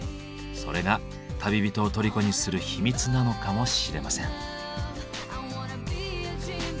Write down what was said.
それが旅人を虜にする秘密なのかもしれません。